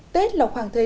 tết là khoảng thời gian